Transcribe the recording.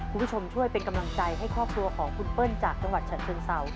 คุณผู้ชมช่วยเป็นกำลังใจให้ครอบครัวของคุณเปิ้ลจากจังหวัดฉะเชิงเศร้า